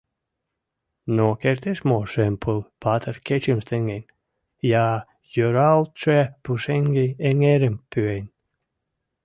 Но кертеш мо шем пыл патыр кечым сеҥен Я йӧралтше пушеҥге эҥерым пӱен?